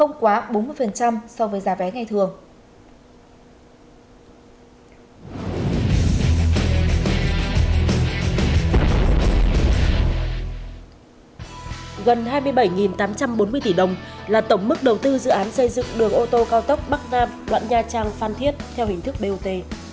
gần hai mươi bảy tám trăm bốn mươi tỷ đồng là tổng mức đầu tư dự án xây dựng đường ô tô cao tốc bắc nam đoạn nha trang phan thiết theo hình thức bot